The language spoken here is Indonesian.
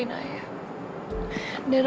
iya itu tiru